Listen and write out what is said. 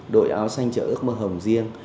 đội áo xanh trở ước mơ hồng riêng